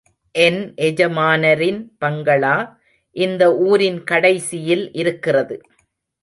என் எஜமானரின் பங்களா இந்த ஊரின் கடைசியில் இருக்கிறது.